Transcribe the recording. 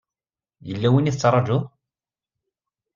Yella win i tettṛajuḍ?